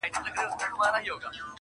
او دربار یې کړ صفا له رقیبانو!